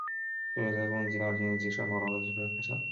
剧组在共济会大厅及圣保罗座堂拍摄。